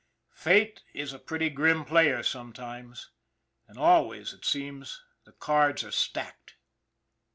Fate is a pretty grim player sometimes and always, it seems, the cards are stacked.